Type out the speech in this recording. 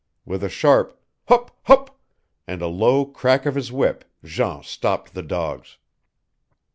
With a sharp "hup, hup," and a low crack of his whip Jean stopped the dogs.